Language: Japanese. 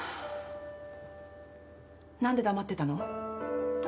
何で黙ってたの？